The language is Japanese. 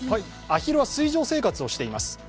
あひるは水上生活をしています。